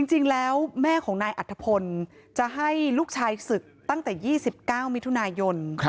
จริงแล้วแม่ของนายอัธพลจะให้ลูกชายศึกตั้งแต่๒๙มิถุนายน